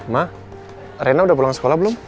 ma rina udah pulang sekolah belum